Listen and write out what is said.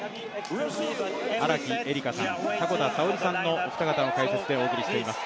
荒木絵里香さん、迫田さおりさんのお二人の解説でお送りしています。